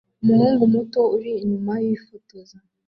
Umuhungu muto uri inyuma yifotoza